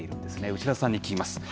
牛田さんに聞きます。